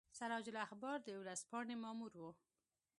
سراج الاخبار د ورځپاڼې مامور وو.